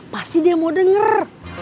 pasti dia mau denger